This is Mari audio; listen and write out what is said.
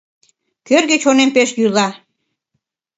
Кӧргӧ чонем пеш йӱла.